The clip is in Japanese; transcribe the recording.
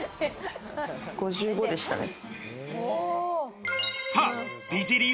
５５でしたね。